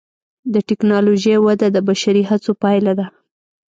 د ټکنالوجۍ وده د بشري هڅو پایله ده.